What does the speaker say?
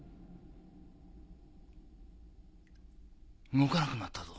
動かなくなったぞ。